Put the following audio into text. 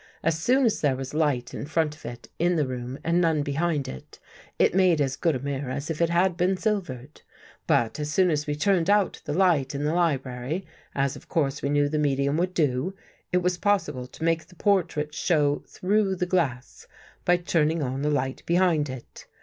As soon as there was light in front of it in the room and none behind it, it made as good a mirror as if it had been silvered. But as soon as we turned out the light in the library, as of course we knew the medium would do, it was possible to make the portrait show through the glass by turning on the light behind it.